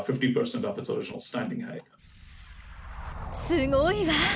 すごいわ。